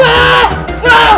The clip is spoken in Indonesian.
letang sekarang dicksu